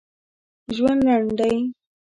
ژوند لنډ دی